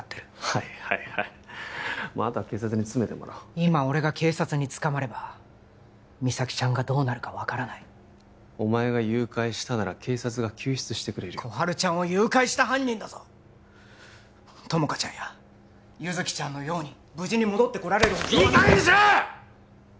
はいはいはいまああとは警察に詰めてもらおう今俺が警察に捕まれば実咲ちゃんがどうなるか分からないお前が誘拐したなら警察が救出してくれるよ心春ちゃんを誘拐した犯人だぞ友果ちゃんや優月ちゃんのように無事に戻ってこられる保証はいい加減にしろっ！